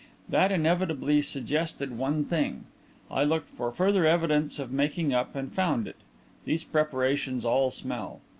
That inevitably suggested one thing. I looked for further evidence of making up and found it these preparations all smell.